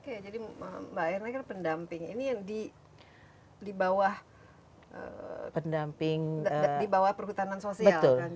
oke jadi mbak erna kan pendamping ini yang di bawah perhutanan sosial